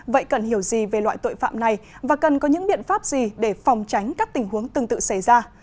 vậy cần hiểu gì về loại tội phạm này và cần có những biện pháp gì để phòng tránh các tình huống tương tự xảy ra